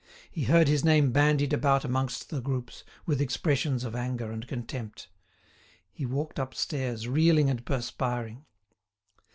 He heard his name bandied about amongst the groups, with expressions of anger and contempt. He walked upstairs, reeling and perspiring.